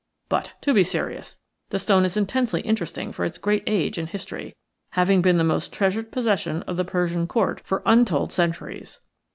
But, to be serious, the stone is intensely interesting for its great age and history, having been the most treasured possession of the Persian Court for untold centuries.